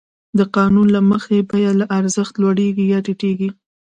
د قانون له مخې بیه له ارزښت لوړېږي یا ټیټېږي